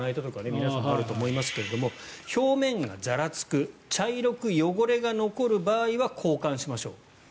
皆さんあると思いますが表面がざらつく茶色く汚れが残る場合は交換しましょう。